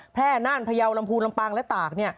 น่านพยาวลำพูนลำปางและตาก